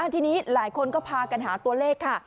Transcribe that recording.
ทีนี้หลายคนก็พากันหาตัวเลขค่ะ